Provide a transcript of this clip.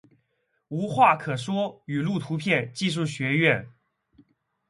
无话可说语录图片技术学院